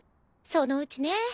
そのうちね。